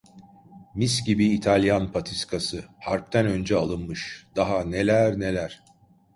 Mis gibi İtalyan patiskası. Harpten önce alınmış… Daha neler neler.